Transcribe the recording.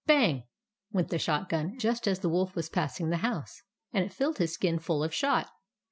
Bang! went the shot gun just as the Wolf was passing the house; and it filled his skin full of shot.